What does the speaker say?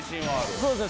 そうですね。